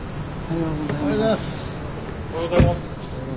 ・おはようございます。